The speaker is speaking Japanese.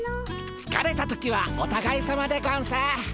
つかれた時はおたがいさまでゴンス。